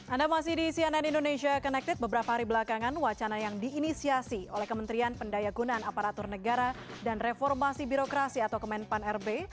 anda masih di cnn indonesia connected beberapa hari belakangan wacana yang diinisiasi oleh kementerian pendayagunan aparatur negara dan reformasi birokrasi atau kemenpan rb